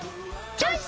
チョイス！